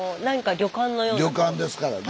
旅館ですからね。